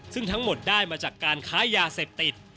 ซึ่งทั้งหมดได้มาจากการค้ายาเสพติด